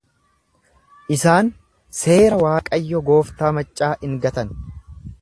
Isaan seera Waaqayyo gooftaa maccaa in gatan.